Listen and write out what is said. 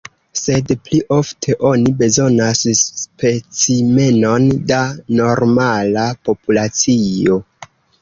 Sed pli ofte oni bezonas specimenon da normala populacio.